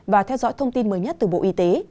và theo dõi thông tin mới nhất từ bộ y tế